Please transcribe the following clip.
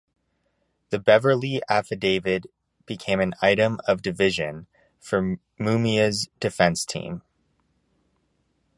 The Beverly affidavit became an item of division for Mumia's defense team.